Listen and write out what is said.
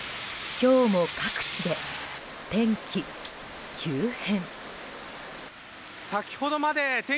今日も各地で天気急変。